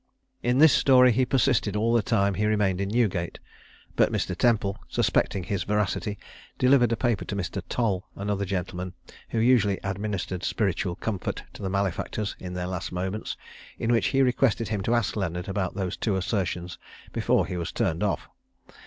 In this story he persisted all the time he remained in Newgate; but Mr. Temple, suspecting his veracity, delivered a paper to Mr. Toll, another gentleman who usually administered spiritual comfort to the malefactors in their last moments, in which he requested him to ask Leonard about those two assertions before he was turned off.